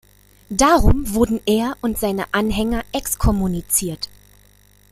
Darum wurden er und seine Anhänger exkommuniziert.